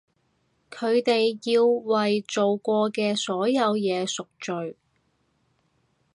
佢哋要為做過嘅所有嘢贖罪！